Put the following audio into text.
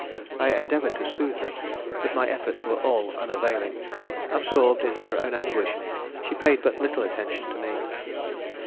I endeavored to soothe her, but my efforts were all unavailing. Absorbed in her own anguish, she paid but little attention to me.